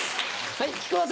はい。